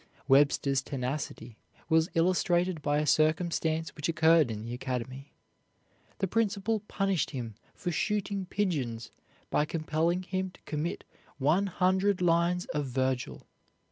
Webster's tenacity was illustrated by a circumstance which occurred in the academy. The principal punished him for shooting pigeons by compelling him to commit one hundred lines of Vergil.